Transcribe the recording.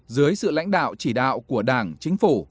dưới sự lãnh đạo chỉ đạo của đảng chính phủ